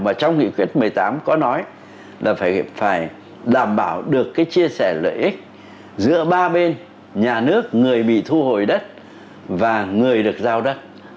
và trong nghị quyết một mươi tám có nói là phải đảm bảo được cái chia sẻ lợi ích giữa ba bên nhà nước người bị thu hồi đất và người được giao đất